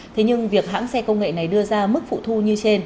thế nhưng việc hãng xe công nghệ này đưa ra mức phụ thu như trên